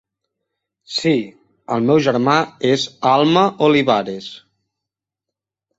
Sí, el meu germà és Alma Olivares.